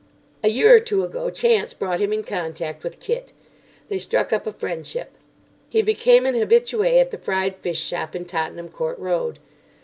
A year or two ago chance brought him in contact with Kit. They struck up a friendship. He became an habitué at the Fried Fish Shop in Tottenham Court Road.